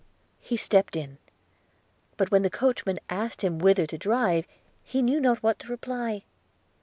He stepped in; but when the coachman asked him whither to drive, he knew not what to reply.